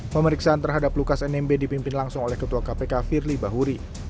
pemeriksaan terhadap lukas nmb dipimpin langsung oleh ketua kpk firly bahuri